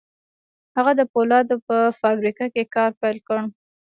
هغه د پولادو په فابريکه کې کار پيل کړ.